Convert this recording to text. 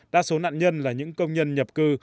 đa số nạn nhân là những công nhân nhập cư